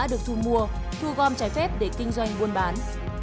được thu mua thu gom trái phép để kinh doanh buôn bán